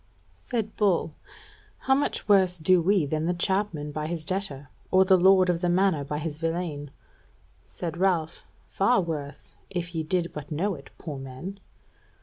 Said Bull: "How much worse do we than the chapmen by his debtor, and the lord of the manor by his villein?" Said Ralph: "Far worse, if ye did but know it, poor men!"